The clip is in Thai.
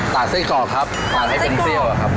ไส้กรอกครับตากให้เป็นเปรี้ยวอะครับ